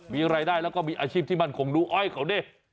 มีรายได้แล้วก็มีอาชีพที่มั่นคงดูอ้อยเขาดิ